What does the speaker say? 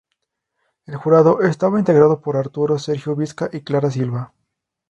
El jurado estaba integrado por Arturo Sergio Visca y Clara Silva.